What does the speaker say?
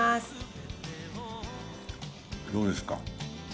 どうですか？